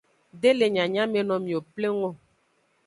De le nyanyamenomiwo pleng o.